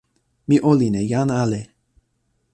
mi olin e jan ale.